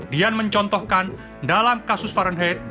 dian mencontohkan dalam kasus fahrenheit